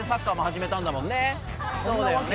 そうだよね。